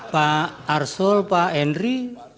pak arsul pak henry